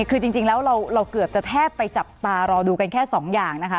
คือจริงแล้วเราเกือบจะแทบไปจับตารอดูกันแค่สองอย่างนะคะ